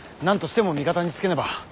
何としても味方につけねば。